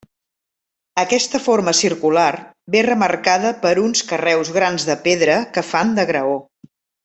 Aquesta forma circular ve remarcada per uns carreus grans de pedra que fan de graó.